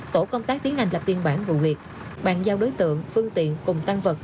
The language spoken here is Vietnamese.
tổ công tác tiến hành là tiên bản vụ việc bàn giao đối tượng phương tiện cùng tăng vật